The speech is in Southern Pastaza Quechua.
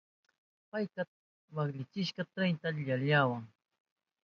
Payka waklichishka trahinta lihiyawa.